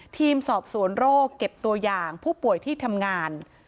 ทีมสอบสวนโรคเก็บตัวอย่างผู้ป่วยที่ทำงาน